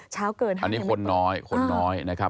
เช้าเกิน๕เท่านี้อันนี้คนน้อยนะครับ